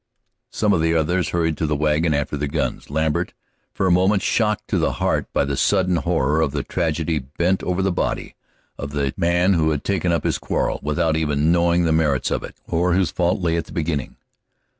Some of the others hurried to the wagon after their guns. Lambert, for a moment shocked to the heart by the sudden horror of the tragedy, bent over the body of the man who had taken up his quarrel without even knowing the merits of it, or whose fault lay at the beginning.